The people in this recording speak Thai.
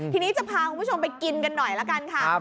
ทีนี้จะพาคุณผู้ชมไปกินกันหน่อยละกันค่ะ